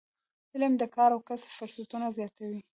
علم د کار او کسب فرصتونه زیاتوي.